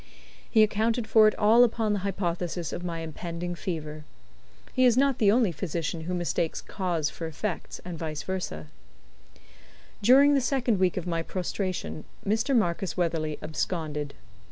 He accounted for it all upon the hypothesis of my impending fever. He is not the only physician who mistakes cause for effect, and vice versa. During the second week of my prostration, Mr. Marcus Weatherley absconded.